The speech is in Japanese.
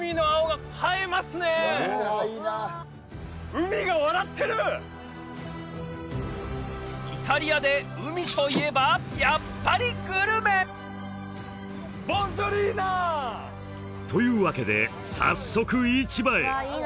海を望む道にイタリアで海といえばやっぱりグルメ！というわけで早速市場へ！